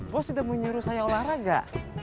bos udah mau nyuruh saya olahraga